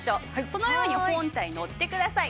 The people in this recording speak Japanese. このように本体に乗ってください。